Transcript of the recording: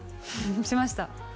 しました